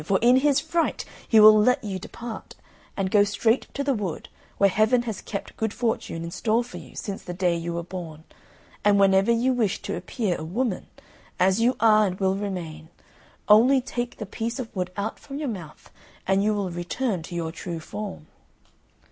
for in his fright he will let you depart, and go straight to the wood, where Heaven has kept good fortune in store for you since the day you were born, and whenever you wish to appear a woman, as you are and will remain, only take the piece of wood out of your mouth and you will return to your true form."